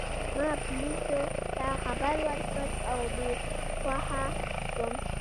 ما پولیسو ته خبر ورکړ او بې هوښه شوم.